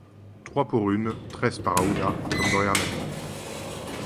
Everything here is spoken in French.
Trois pour une, tres para una, comme dans Hernani.